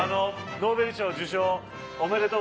ノーベル賞受賞おめでとうございます。